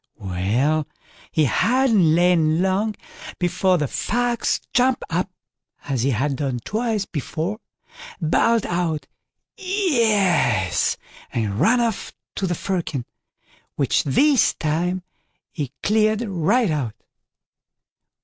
Well, he hadn't lain long before the Fox jumped up as he had done twice before, bawled out "yes" and ran off to the firkin, which this time he cleared right out.